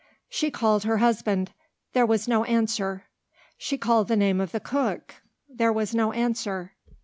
She called her husband: there was no answer. She called the name of the cook: there was no answer.